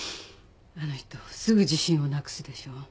あの人すぐ自信をなくすでしょ。